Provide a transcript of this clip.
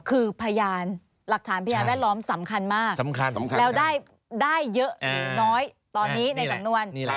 คือพยานหลักฐานพยานแวดล้อมสำคัญมากสำคัญแล้วได้เยอะหรือน้อยตอนนี้ในสำนวน